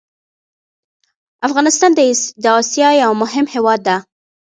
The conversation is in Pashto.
افغانستان د اسيا يو مهم هېواد ده